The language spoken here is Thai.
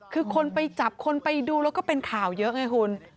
คือคนไปจับคนไปดูแล้วก็เป็นข่าวเยอะไงคุณ